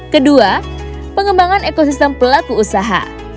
kedua pengembangan ekosistem pelaku usaha